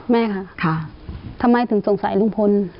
แม่ค่ะทำไมถึงสงสัยลุงพล